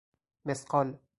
مثقال